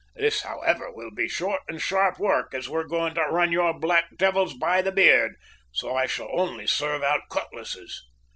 This, however, will be short and sharp work, as we're going to run your black devils by the beard; so I shall only serve out cutlasses."